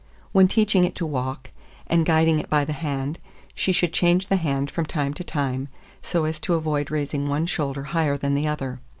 When teaching it to walk, and guiding it by the hand, she should change the hand from time to time, so as to avoid raising one shoulder higher than the other.